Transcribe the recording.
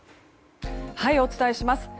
お伝えします。